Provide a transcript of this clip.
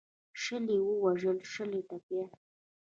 شل یې ووژل شل ټپیان.